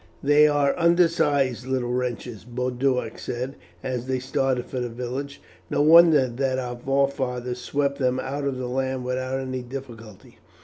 "They are undersized little wretches," Boduoc said, as they started for the village; "no wonder that our forefathers swept them out of the land without any difficulty.